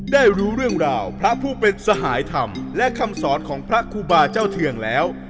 ได้รู้เรื่องราวพระผู้เป็นสหายธรรมและคำสอนของพระครูบาเจ้าเทืองแล้ว